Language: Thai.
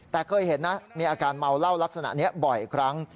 แต่เคยเห็นนะมีอาการเมาเหล้าลักษณะนี้บ่อยครั้ง